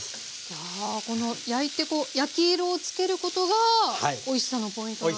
はあこの焼いて焼き色をつけることがおいしさのポイントなんですか？